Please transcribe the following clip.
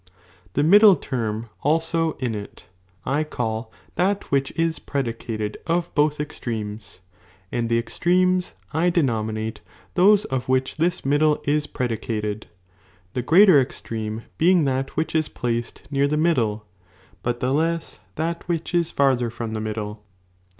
(Mt syiioBumi The middle term' also in it, I call that which h»«no«ioir 18 predicated of both extremes, and the ex ""^J'""'.'"^ trernes I denominate those of which this inid tbmiu quan die is predicated, the greater extreme being '"^' that which ia placed near tjie middle, but the lesa, that which is farther from the middle.